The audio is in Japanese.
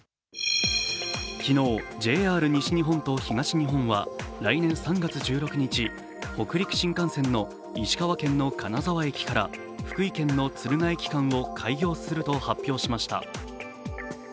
昨日、ＪＲ西日本と東日本は、来年３月１６日、北陸新幹線の石川県の金沢駅から福井県の敦賀駅間を開業すると発表しました。